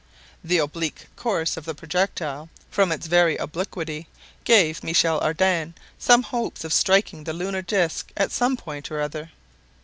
The oblique course of the projectile, from its very obliquity, gave Michel Ardan some hopes of striking the lunar disc at some point or other.